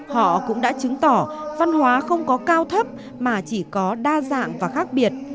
họ cũng đã chứng tỏ văn hóa không có cao thấp mà chỉ có đa dạng và khác biệt